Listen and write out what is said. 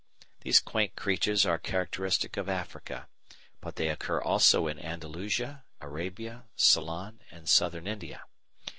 These quaint creatures are characteristic of Africa; but they occur also in Andalusia, Arabia, Ceylon, and Southern India.